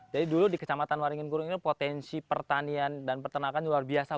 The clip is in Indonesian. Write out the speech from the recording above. jadi dulu di kecamatan waringin kurung ini potensi pertanian dan pertenakan luar biasa